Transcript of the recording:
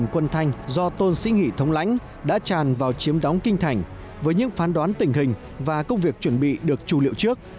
hai trăm chín mươi quân thanh do tôn sĩ nghị thống lãnh đã tràn vào chiếm đóng kinh thành với những phán đoán tình hình và công việc chuẩn bị được trù liệu trước